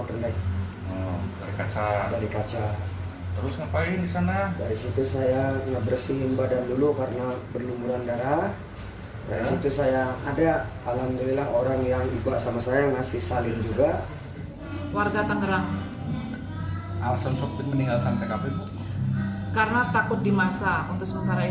karena takut dimasak untuk sementara ini informasinya begitu